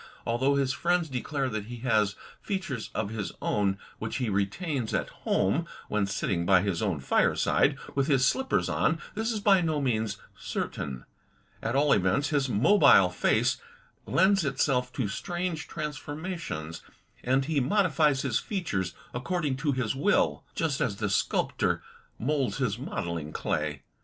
Although his friends declare that he has features of his own which he retains at home when sitting by his own fire side, with his slippers on, this is by no means certain. At all events, his mobile face lends itself to strange transformations, and he modifies his features according to his will, just as the sculptor moulds his modelling clay.